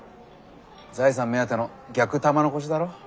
財産目当ての逆玉の輿だろ。